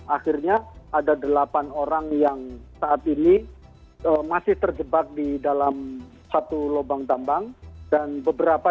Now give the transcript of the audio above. akhirnya ada delapan orang yang saat ini masih terjebak di dalam satu lubang tambang dan beberapa